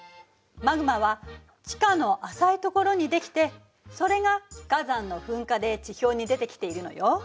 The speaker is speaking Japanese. マグマは地下の浅いところにできてそれが火山の噴火で地表に出てきているのよ。